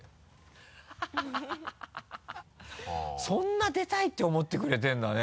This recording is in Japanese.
そんな出たいって思ってくれてるんだね